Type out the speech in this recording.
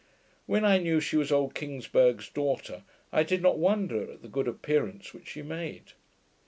When I knew she was old Kingsburgh's daughter, I did not wonder at the good appearance which she made.